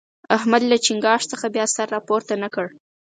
احمد له چينګاښ څخه بیا سر راپورته نه کړ.